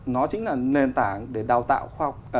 nó chính là nền tảng để đào tạo